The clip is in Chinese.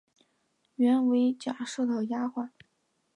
原为贾赦的丫环。